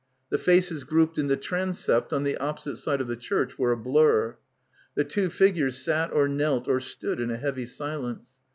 The faces grouped in the transept on the opposite side of the church were a blur. The two figures sat or knelt or stood in a heavy silence.